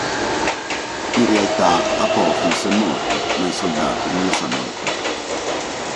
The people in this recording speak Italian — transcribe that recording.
In realtà Apophis è morto, ma i soldati non lo sanno ancora.